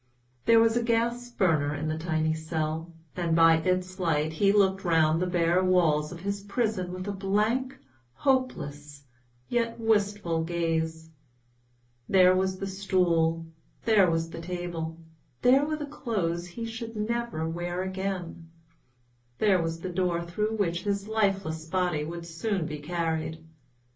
There was a gas burner in the tiny cell, and by its light he looked round the bare walls of his prison with a blank, hopeless, yet wistful gaze; there was the stool, there was the table, there were the clothes he should never wear again, there was the door through which his lifeless body would soon be carried.